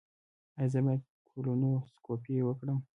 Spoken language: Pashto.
ایا زه باید کولونوسکوپي وکړم؟